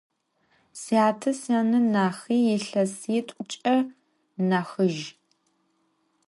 Syate syane nahi yilhesit'uç'e nahızj.